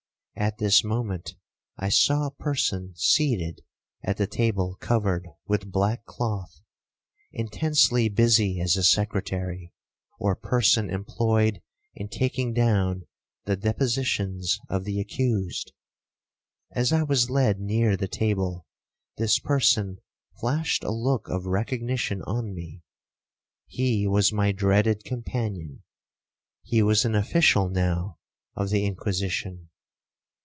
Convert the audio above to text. At this moment I saw a person seated at the table covered with black cloth, intensely busy as a secretary, or person employed in taking down the depositions of the accused. As I was led near the table, this person flashed a look of recognition on me,—he was my dreaded companion,—he was an official now of the Inquisition.